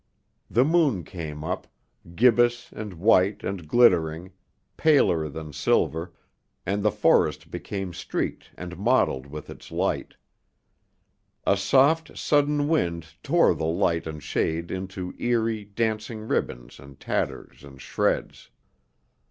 The moon came up, gibbous and white and glittering, paler than silver; and the forest became streaked and mottled with its light. A soft, sudden wind tore the light and shade into eerie, dancing ribbons and tatters and shreds.